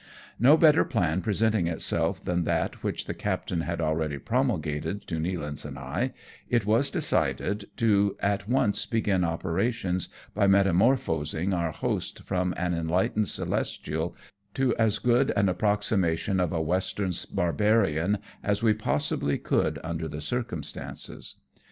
No better plan presenting itself than that which the captain had already promulgated to Nealance and I, it was decided to at once begin operations by metamor phosizing our host from an enlightened Celestial to as good an approximation of a Western Barbarian as we possibly could under the circumstances.